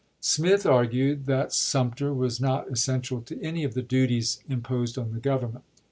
Smith argued that Sumter was not essential to any of the duties imposed on the Government.